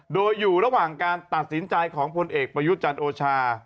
โดยอยู่ระหว่างการตัดสินใจของพลเอกประยุทธ์จันทร์โอชา